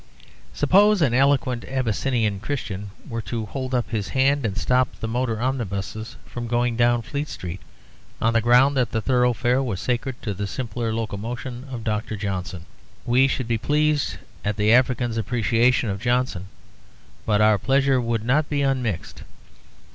Suppose an eloquent Abyssinian Christian were to hold up his hand and stop the motor omnibuses from going down Fleet Street on the ground that the thoroughfare was sacred to the simpler locomotion of Dr. Johnson. We should be pleased at the African's appreciation of Johnson; but our pleasure would not be unmixed.